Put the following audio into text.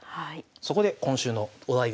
そこで今週のお題です。